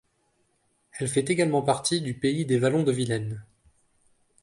Elle fait également partie du pays des Vallons de Vilaine.